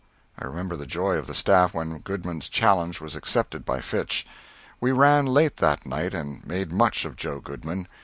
I remember the joy of the staff when Goodman's challenge was accepted by Fitch. We ran late that night, and made much of Joe Goodman.